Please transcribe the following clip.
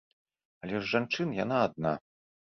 Але з жанчын яна адна.